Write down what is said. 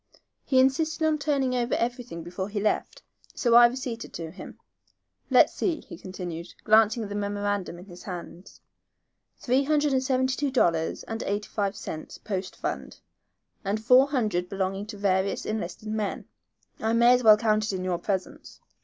He insisted on turning over everything before he left, so I receipted to him. Let's see," he continued, glancing at the memorandum in his hand. "Three hundred and seventy two dollars and eighty five cents post fund, and four hundred belonging to various enlisted men. I may as well count it in your presence."